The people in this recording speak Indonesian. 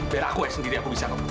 biar aku ya sendiri aku bisa ngomong